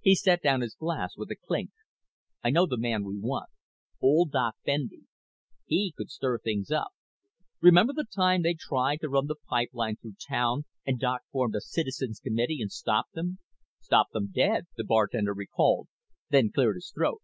He set down his glass with a clink. "I know the man we want. Old Doc Bendy. He could stir things up. Remember the time they tried to run the pipeline through town and Doc formed a citizens committee and stopped them?" "Stopped them dead," the bartender recalled, then cleared his throat.